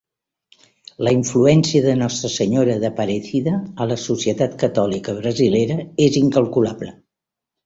La influència de Nostra Senyora d'Aparecida a la societat catòlica brasilera és incalculable.